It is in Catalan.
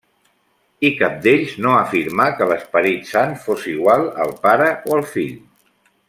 I cap d'ells no afirmà que l'Esperit Sant fos igual al Pare o al Fill.